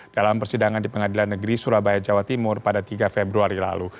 dalam persidangan di pengadilan negeri surabaya jawa timur pada tiga februari lalu